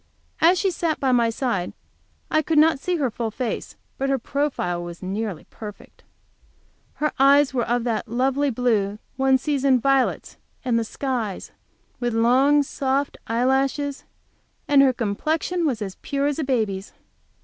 As she sat by my side I could not see her full face, but her profile was nearly perfect. Her eyes were of that lovely blue one sees in violets and the skies, with long, soft eye lashes, and her complexion was as pure as a baby's.